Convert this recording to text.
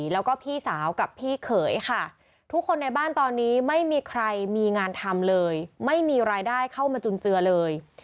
แล้วก็พี่สาวกับพี่เขยค่ะทุกคนในบ้านตอนนี้ไม่มีใครมีงานทำเลยไม่มีรายได้เข้ามาจุนเจือเลย